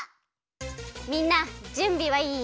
みんなじゅんびはいい？